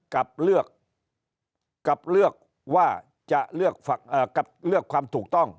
กับเลือกว่าจะเลือกความถูกต้อง